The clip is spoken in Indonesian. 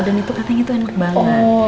dan itu katanya tuh enak banget